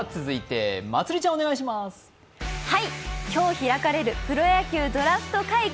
今日開かれるプロ野球ドラフト会議。